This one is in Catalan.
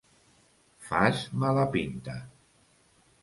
Fas mala pinta.